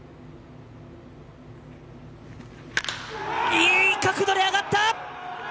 いい角度が上がった。